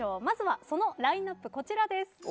まずはそのラインアップこちらです。